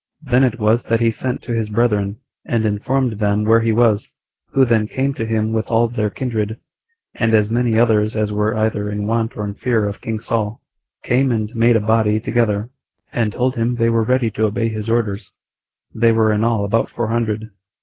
Then it was that he sent to his brethren, and informed them where he was, who then came to him with all their kindred, and as many others as were either in want or in fear of king Saul, came and made a body together, and told him they were ready to obey his orders; they were in all about four hundred.